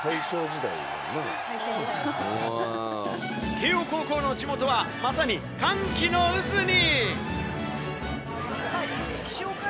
慶應高校の地元は、まさに歓喜の渦に！